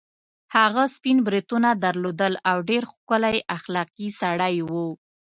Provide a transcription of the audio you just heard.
هغه سپین بریتونه درلودل او ډېر ښکلی اخلاقي سړی وو.